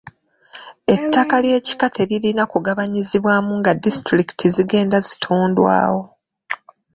Ettaka ly'ekika teririna kugabanyizibwamu nga disitulikiti zigenda zitondwawo.